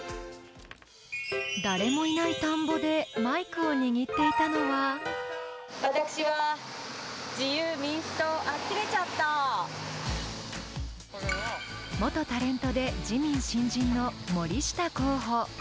誰もいない田んぼでマイクを私は、元タレントで自民新人の森下候補。